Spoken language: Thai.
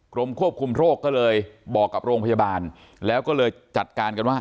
กรมควบคุมโรคก็เลยบอกกับโรงพยาบาลแล้วก็เลยจัดการกันว่า